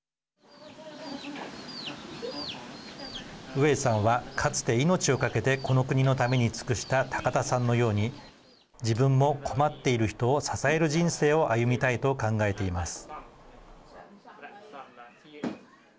ウエイさんはかつて命をかけてこの国のために尽くした高田さんのように自分も困っている人を支える人生を歩みたいと考えています。